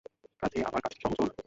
কাজেই আমার কাজটি সহজ হল না।